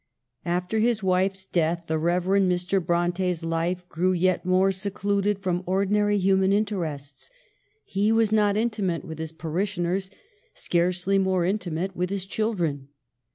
After his wife's death the Rev. Mr. Bronte's life grew yet more secluded from ordinary human interests. He was not intimate with his parishioners ; scarcely more intimate with his children.